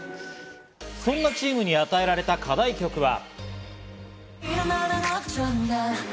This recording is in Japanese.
そんなチームに与えられた課題曲は。